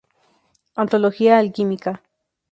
Antología alquímica.